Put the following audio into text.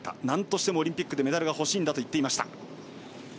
なんとしてもオリンピックでメダルが欲しいと言っていました。